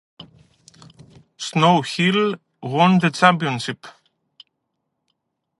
Snow Hill won the championship.